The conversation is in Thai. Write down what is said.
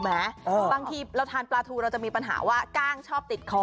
บางทีเราทานปลาทูเราจะมีปัญหาว่ากล้างชอบติดคอ